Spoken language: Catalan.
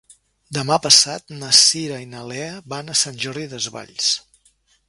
Demà passat na Cira i na Lea van a Sant Jordi Desvalls.